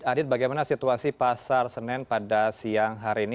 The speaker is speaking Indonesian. adit bagaimana situasi pasar senen pada siang hari ini